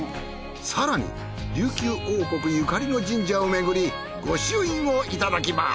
更に琉球王国ゆかりの神社をめぐり御朱印をいただきます。